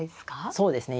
そうですね。